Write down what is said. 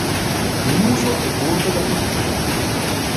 Il muso è corto ed appuntito.